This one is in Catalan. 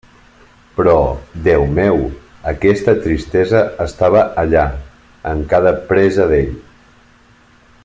Però, Déu meu, aquesta tristesa estava allà, en cada presa d'ell.